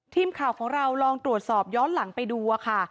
ทีมข่าวของเราลองตรวจสอบย้อนหลังไปดูค่ะ